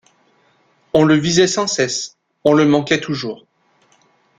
On le visait sans cesse, on le manquait toujours.